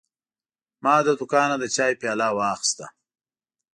ما له دوکانه د چای پیاله واخیسته.